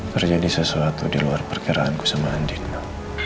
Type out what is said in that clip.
terjadi sesuatu di luar perkiraanku sama andika